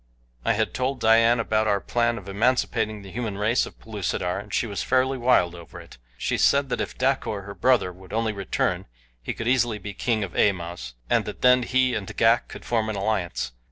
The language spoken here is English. I had told Dian about our plan of emancipating the human race of Pellucidar, and she was fairly wild over it. She said that if Dacor, her brother, would only return he could easily be king of Amoz, and that then he and Ghak could form an alliance.